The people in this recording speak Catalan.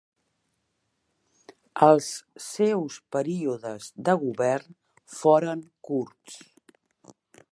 Els seus períodes de govern foren curts.